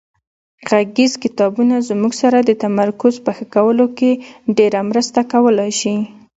غږیز کتابونه زموږ سره د تمرکز په ښه کولو کې ډېره مرسته کولای شي.